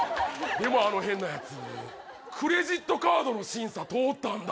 でもあんな変なやつ、クレジットカードの審査通ったんだ。